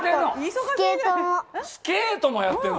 スケートもやってんの？